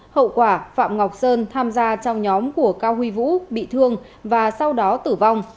hậu quả phạm ngọc sơn tham gia trong nhóm của cao huy vũ bị thương và sau đó tử vong